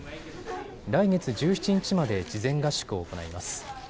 来月１７日まで事前合宿を行います。